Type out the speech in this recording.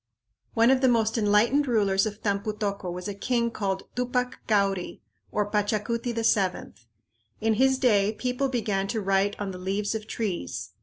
One of the most enlightened rulers of Tampu tocco was a king called Tupac Cauri, or Pachacuti VII. In his day people began to write on the leaves of trees.